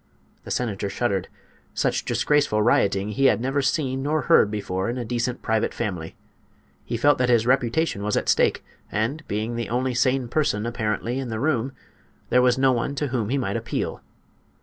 The senator shuddered. Such disgraceful rioting he had never seen nor heard before in a decent private family. He felt that his reputation was at stake, and, being the only sane person, apparently, in the room, there was no one to whom he might appeal.